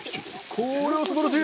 これはすばらしい！